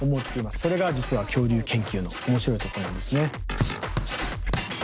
それが実は恐竜研究の面白いところなんですね。